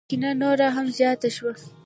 کینه نوره هم زیاته شوه.